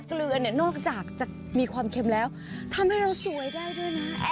เกลือเนี่ยนอกจากจะมีความเค็มแล้วทำให้เราสวยได้ด้วยนะ